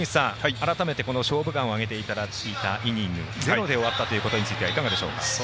改めて、「勝負眼」を挙げていただいたイニングゼロで終わったことについてはいかがでしょうか？